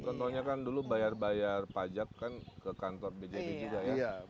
contohnya kan dulu bayar bayar pajak kan ke kantor bjb juga ya